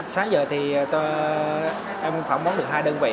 sáng giờ thì em phỏng vấn được hai đơn vị